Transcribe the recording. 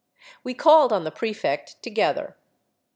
We called on the prefect together.